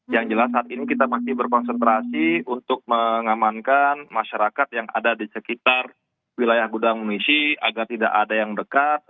yang jelas saat ini kita masih berkonsentrasi untuk mengamankan masyarakat yang ada di sekitar wilayah gudang munisi agar tidak ada yang dekat